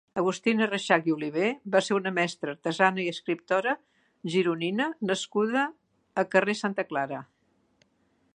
Agustina Reixach i Oliver va ser una mestra, artesana i escriptora gironina nascuda a Carrer Santa Clara.